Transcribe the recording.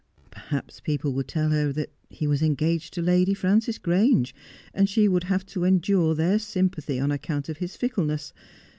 Perhaps people would tell her that he was engaged to Lady Frances Grange, and she would have to endure their sympathy on account of his fickleness.